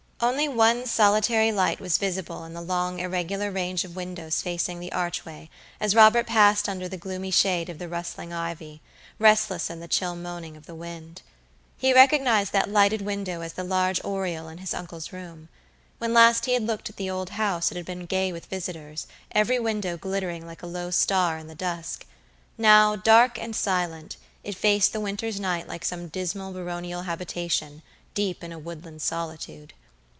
Only one solitary light was visible in the long irregular range of windows facing the archway, as Robert passed under the gloomy shade of the rustling ivy, restless in the chill moaning of the wind. He recognized that lighted window as the large oriel in his uncle's room. When last he had looked at the old house it had been gay with visitors, every window glittering like a low star in the dusk; now, dark and silent, it faced the winter's night like some dismal baronial habitation, deep in a woodland solitude.